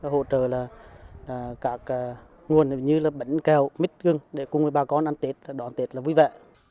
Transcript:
hỗ trợ các nguồn như bánh kèo mít gương để cùng với bà con ăn tết đón tết vui vẻ